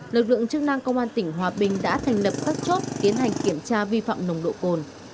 lực lượng chức năng công an tỉnh hòa bình đã thành lập các chốt tiến hành kiểm tra vi phạm nồng độ cồn